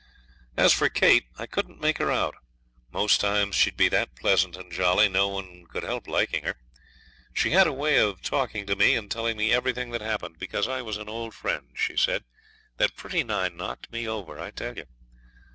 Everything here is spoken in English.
As for Kate, I couldn't make her out. Most times she'd be that pleasant and jolly no one could help liking her. She had a way of talking to me and telling me everything that happened, because I was an old friend she said that pretty nigh knocked me over, I tell you.